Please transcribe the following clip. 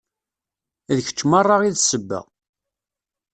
D kečč merra i d ssebba